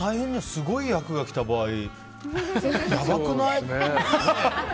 すごい役が来た場合やばくない？